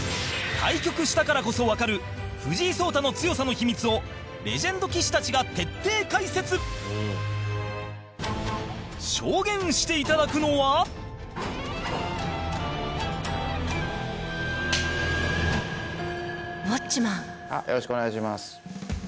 対局したからこそわかる藤井聡太の強さの秘密をレジェンド棋士たちが徹底解説証言していただくのはよろしくお願いします。